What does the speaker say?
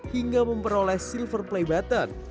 hingga memperoleh silver play button